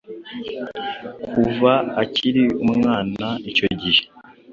kuva akiri umwana icyo gihe